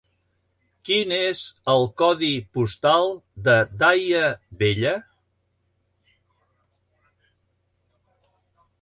Quin és el codi postal de Daia Vella?